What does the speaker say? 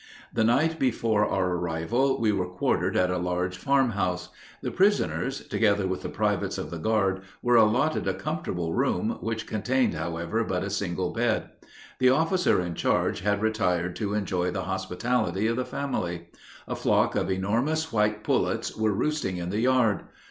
The night before our arrival we were quartered at a large farm house. The prisoners, together with the privates of the guard, were allotted a comfortable room, which contained, however, but a single bed. The officer in charge had retired to enjoy the hospitality of the family. A flock of enormous white pullets were roosting in the yard.